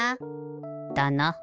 だな。